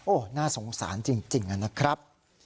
โอ้โหน่าสงสารจริงนะครับ